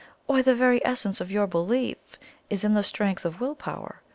Why, the very essence of our belief is in the strength of Will power.